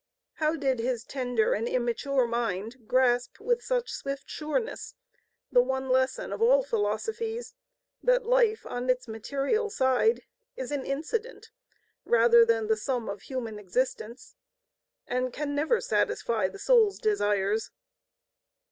How did his tender and immature mind grasp with such swift sureness the one lesson of all philosophies, that life on its material side is an incident rather than the sum of human existence and can never satisfy the soul's desires